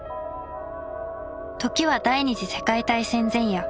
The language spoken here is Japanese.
時は第２次世界大戦前夜。